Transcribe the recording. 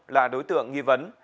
là đối tượng nghi vấn